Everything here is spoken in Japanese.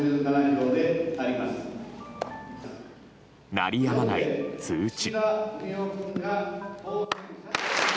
鳴りやまない通知。